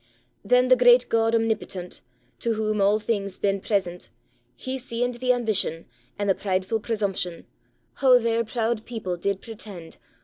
Then the great God omnipotent, To whom all things been present, He seeand the ambition, And the prideful presumption, How their proud people did pretend.